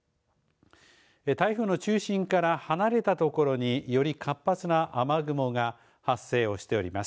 台風の中心から離れたところにより活発な雨雲が発生をしております。